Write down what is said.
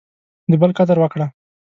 د بل قدر وکړه.